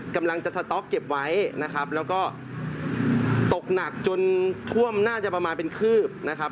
กำลังจะสต๊อกเก็บไว้นะครับแล้วก็ตกหนักจนท่วมน่าจะประมาณเป็นคืบนะครับ